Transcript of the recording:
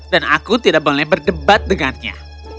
dan aku tidak boleh berdebat dengannya